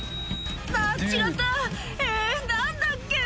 「あぁ違ったえぇ何だっけ！」